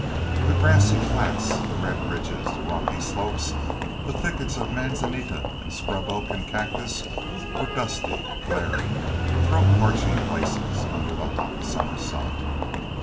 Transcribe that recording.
The grassy flats, the red ridges, the rocky slopes, the thickets of manzanita and scrub oak and cactus were dusty, glaring, throat parching places under the hot summer sun.